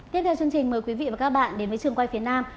tiếp theo chương trình mời quý vị và các bạn đến với trường quay phía nam